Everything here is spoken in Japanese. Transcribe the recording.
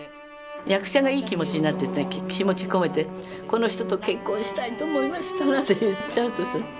役者がいい気持ちになって気持ち込めて「この人と結婚したいと思いました」なんて言っちゃうとさ